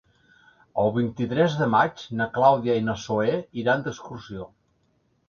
El vint-i-tres de maig na Clàudia i na Zoè iran d'excursió.